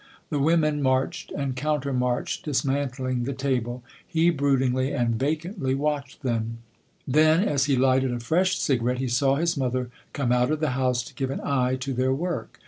The women marched and countermarched, dismantling the table; he broodingly and vacantly watched them ; then, as he lighted a fresh cigarette, he saw his mother come out of the house to give an eye to their work.